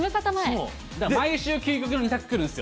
毎週、究極の２択来るんですよ。